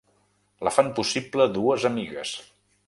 La fan possible dues amigues.